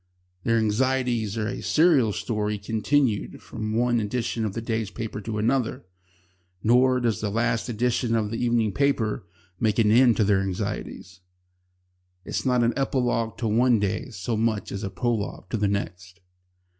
Their anxieties are a serial story continued from one edition of the day's papers to another Nor does the last edition of the evening paper make an end of their anxieties. It is not an epilogue to one day so much as a prologue to the next.